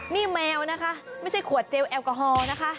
นี่แมวนะคะไม่ใช่ขวดเจลแอลกอฮอล์นะคะ